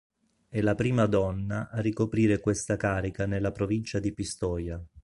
È la prima donna a ricoprire questa carica nella provincia di Pistoia.